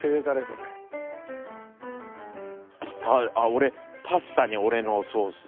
俺パスタに俺のソース。